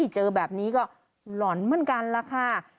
เจอแบบนี้ก็หล่อนเหมือนกันล่ะค่ะ